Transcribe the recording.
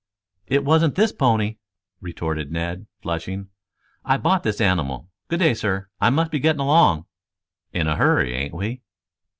"It wasn't this pony," retorted Ned, flushing. "I bought this animal. Good day, sir, I must be getting along." "In a hurry, ain't ye?"